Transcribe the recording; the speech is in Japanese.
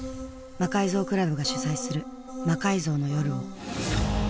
魔改造倶楽部が主催する「魔改造の夜」を。